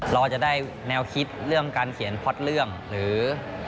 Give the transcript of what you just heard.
รอจะได้แนวคิดเรื่องการใส่เรื่องหรือ